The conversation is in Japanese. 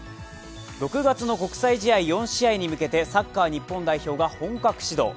６月の国際試合４試合に向けてサッカー日本代表が本格始動。